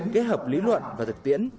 kết hợp lý luận và thực tiễn